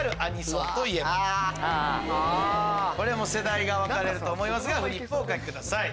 世代が分かれると思いますがフリップお書きください。